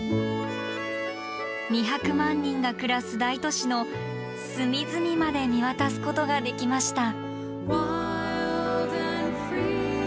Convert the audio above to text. ２００万人が暮らす大都市の隅々まで見渡すことができました。